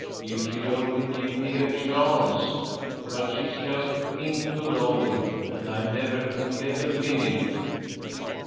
"If she'd only give me a chance. But she's just pinned to Dolly, and I never can get a minute."